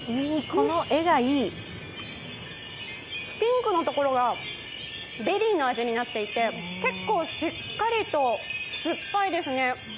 ピンクのところがベリーの味になっていて、結構しっかりと、すっぱいですね。